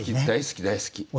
大好き大好き。